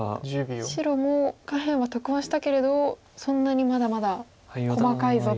白も下辺は得はしたけれどそんなにまだまだ細かいぞと。